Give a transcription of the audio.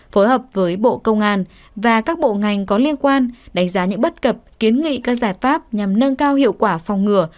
phối hợp với bộ công an và các bộ ngành có liên quan đánh giá những bất cập kiến nghị các giải pháp nhằm nâng cao hiệu quả phòng ngừa